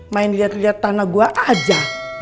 main liat liat tanah gue aja